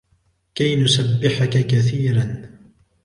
كي نسبحك كثيرا